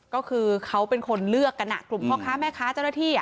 ก็คือเขาเป็นคนเลือกกันกลุ่มพ่อค้าแม่ค้าเจ้าหน้าที่